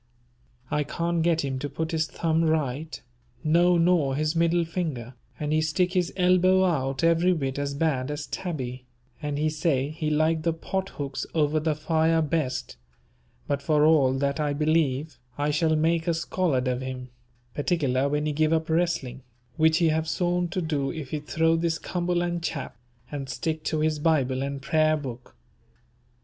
I can't get him to put his thumb right, no nor his middle finger, and he stick his elbow out every bit as bad as Tabby, and he say he like the pot hooks over the fire best, but for all that I believe I shall make a scholard of him, particular when he give up wrestling, which he have sworn to do if he throw this Cumberland chap, and stick to his Bible and Prayer book.